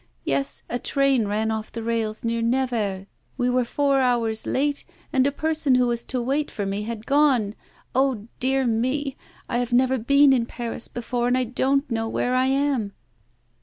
Yes, a train ran off the rails, near Nevers. We were four hours late, and a person who was to wait for me had gone. Oh, dear me; I have never been in Paris before, and I don't know where I am....